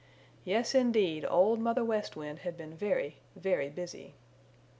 Yes, indeed, Old Mother West Wind had been very, very busy.